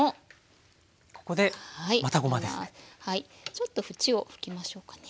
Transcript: ちょっと縁を拭きましょうかね。